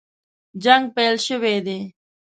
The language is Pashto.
جنګ پیل شوی دی.